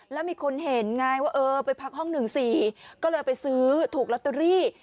แล้วมีคนเห็นไงว่าเออไปพักห้อง๑๔ก็เลยไปซื้อถูกลอตเตอรี่